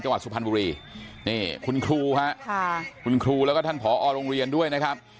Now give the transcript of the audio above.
สุพรรณบุรีนี่คุณครูฮะค่ะคุณครูแล้วก็ท่านผอโรงเรียนด้วยนะครับ